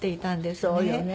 そうよね。